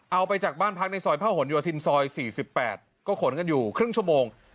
เอาไปจากบ้านพักในซอยพระหลโยธินซอย๔๘ก็ขนกันอยู่ครึ่งชั่วโมง